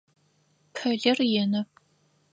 Пылыр ины.